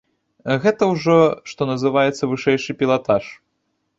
Гэта ўжо, што называецца, вышэйшы пілатаж.